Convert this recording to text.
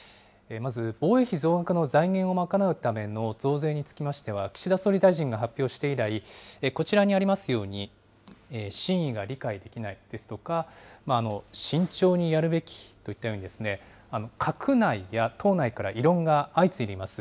まず、防衛費増額の財源を賄うための増税につきましては、岸田総理大臣が発表して以来、こちらにありますように、真意が理解できないですとか、慎重にやるべきといったように、閣内や党内から異論が相次いでいます。